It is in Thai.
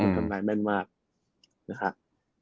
ทำนายแม่นมากนะครับ